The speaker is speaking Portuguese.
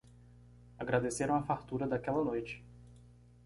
Agradeceram a fartura daquela noite